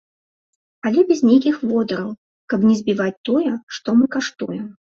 Але без нейкіх водараў, каб не збіваць тое, што мы каштуем.